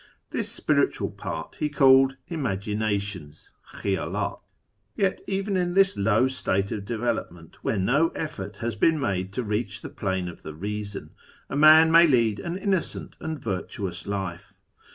This spiritual part he called " Imaginations " {Khiydldt). Yet even in this low state of development, where no effort has been made to reach the plane of the reason, a man may lead an innocent and virtuous life.